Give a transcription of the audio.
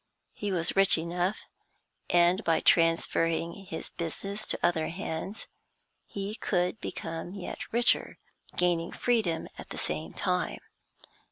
He was rich enough, and by transferring his business to other hands he could become yet richer, gaining freedom at the same time.